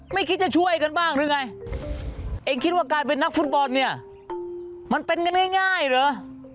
คิดจะช่วยกันบ้างหรือไงเองคิดว่าการเป็นนักฟุตบอลเนี่ยมันเป็นกันง่ายเหรอ